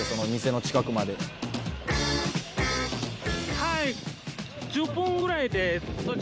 はい。